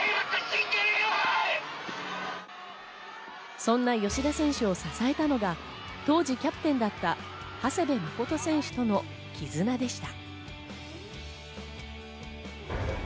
そんな吉田選手を支えたのが当時、キャプテンだった長谷部誠選手とのきずなでした。